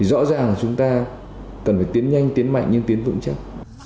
rõ ràng chúng ta cần phải tiến nhanh tiến mạnh nhưng tiến vững chắc